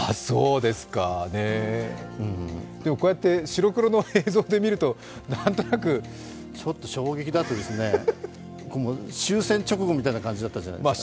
でもこうやって白黒の映像で見ると、なんとなくちょっと衝撃でしたね、終戦直後みたいな感じだったじゃないですか。